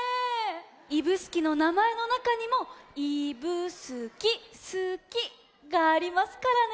指宿のなまえのなかにもいぶ「すき」「すき」がありますからね。